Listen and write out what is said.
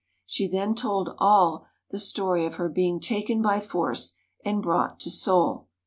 She then told all the story of her being taken by force and brought to Seoul.